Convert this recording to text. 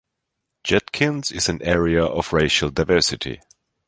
Judkins is an area of racial diversity.